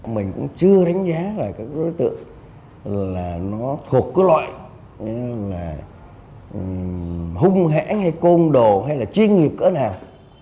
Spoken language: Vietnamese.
mình cũng chưa đánh giá là các đối tượng thuộc loại hung hẽ hay công đồ hay là chuyên nghiệp cỡ nào